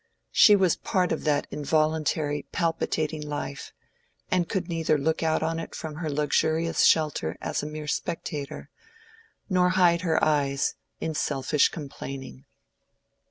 She was a part of that involuntary, palpitating life, and could neither look out on it from her luxurious shelter as a mere spectator, nor hide her eyes in selfish complaining.